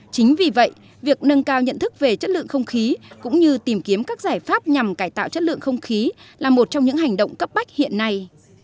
chính vì vậy việc nâng cao nhận thức về chất lượng không khí cũng như tìm kiếm các giải pháp nhằm cải tạo chất lượng không khí là một trong những hành động cấp bách hiện nay